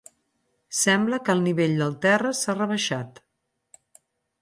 Sembla que el nivell del terra s'ha rebaixat.